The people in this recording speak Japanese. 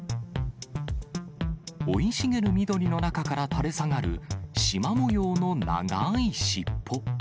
生い茂る緑の中から垂れ下がるしま模様の長ーい尻尾。